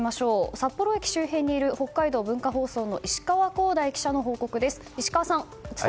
札幌駅周辺にいる北海道文化放送の石川広大記者の報告です。